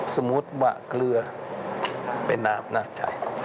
สมมุติว่าเกลือเป็นน้ำน่าใจ